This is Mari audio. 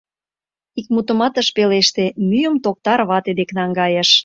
Ик мутымат ыш пелеште, мӱйым Токтар вате дек наҥгайыш.